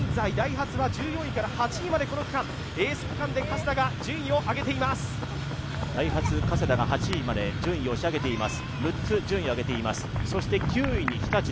現在ダイハツは１４位から８位まで、この区間、エース区間で加世田が順位を上げています。